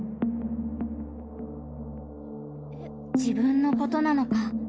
「自分のことなのか」。